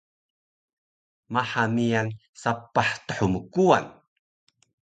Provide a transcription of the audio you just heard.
Maha miyan sapah thmkuwan